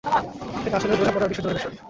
এটা আসলে বোঝাপড়া আর বিসর্জনের বিষয়।